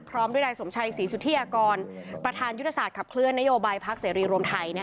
พร้อมด้วยนายสมชัยศรีสุธิยากรประธานยุทธศาสตร์ขับเคลื่อนนโยบายพักเสรีรวมไทย